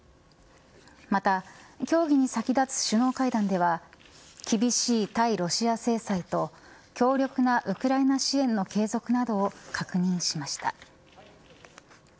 また協議に先立つ首脳会談では厳しい対ロシア制裁と強力なウクライナ支援の継続などを確認しました。